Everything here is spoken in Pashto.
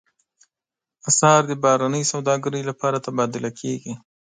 اسعار د بهرنۍ سوداګرۍ لپاره تبادله کېږي.